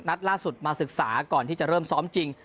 ล่าสุดมาศึกษาก่อนที่จะเริ่มซ้อมจริง